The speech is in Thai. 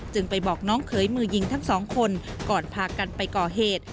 ไปบอกน้องเขยมือยิงทั้งสองคนก่อนพากันไปก่อเหตุ